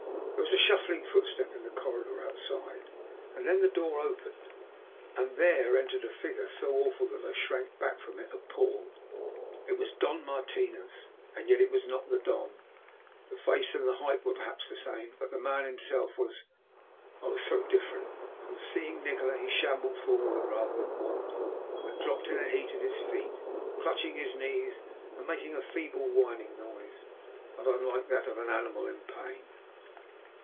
There was a shuffling footstep in the corridor outside, and then the door opened and there entered a figure so awful that I shrank back from it appalled. It was Don Martinos, and yet it was not the Don. The face and the height were perhaps the same, but the man himself was oh, so different. On seeing Nikola he shambled forward, rather than walked, and dropped in a heap at his feet, clutching at his knees, and making a feeble whining noise, not unlike that of an animal in pain.